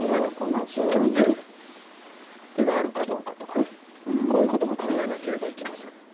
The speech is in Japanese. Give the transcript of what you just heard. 逃げる手があるかどうかとかこういうことも考えなければいけません。